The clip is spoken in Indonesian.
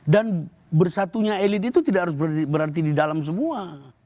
dan bersatunya elit itu tidak harus berarti di dalam semua